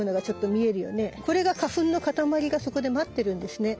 これが花粉のかたまりがそこで待ってるんですね。